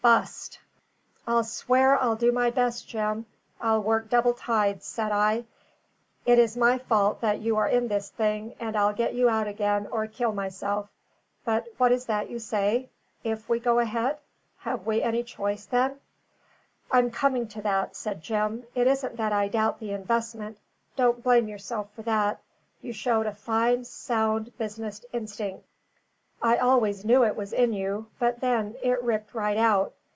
T. bust." "I'll swear I'll do my best, Jim; I'll work double tides," said I. "It is my fault that you are in this thing, and I'll get you out again or kill myself. But what is that you say? 'If we go ahead?' Have we any choice, then?" "I'm coming to that," said Jim. "It isn't that I doubt the investment. Don't blame yourself for that; you showed a fine, sound business instinct: I always knew it was in you, but then it ripped right out.